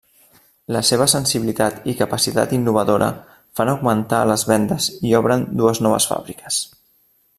La seva sensibilitat i capacitat innovadora fan augmentar les vendes i obren dues noves fàbriques.